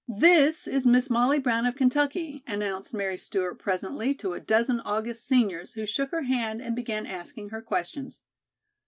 "This is Miss Molly Brown of Kentucky," announced Mary Stewart presently to a dozen august seniors who shook her hand and began asking her questions.